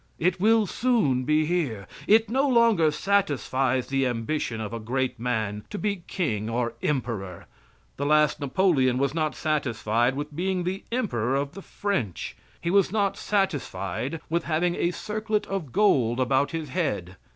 It will soon be here. It no longer satisfies the ambition of a great man to be king or emperor. The last Napoleon was not satisfied with being the emperor of the French. He was not satisfied with having a circlet of gold about his head.